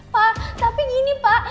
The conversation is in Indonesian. pak tapi gini pak